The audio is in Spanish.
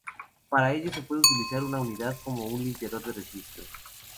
Para ello se puede utilizar una utilidad como un limpiador de registro.